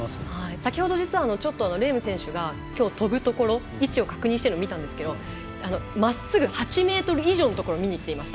先ほど、レーム選手がきょう跳ぶところ位置を確認しているところを見たんですけれどまっすぐ８ｍ以上のところを見に行っていました。